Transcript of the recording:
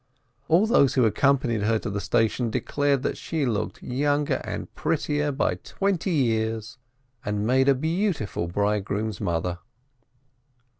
All those who accompanied her to the station declared that she looked younger and prettier by twenty years, and made a beautiful bridegroom's mother.